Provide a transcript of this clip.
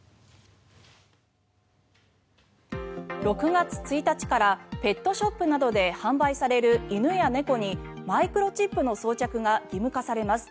６月１日からペットショップなどで販売される犬や猫などにマイクロチップの装着が義務化されます。